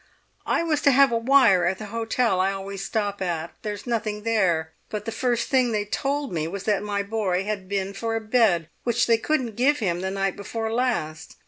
"I was to have a wire at the hotel I always stop at; there's nothing there; but the first thing they told me was that my boy had been for a bed which they couldn't give him the night before last.